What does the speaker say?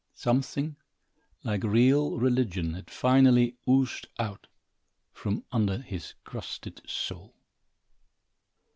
Something like real religion had finally oozed out from under his crusted soul.